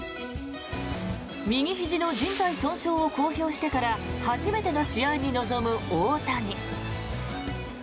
右ひじのじん帯損傷を公表してから初めての試合に臨む大谷。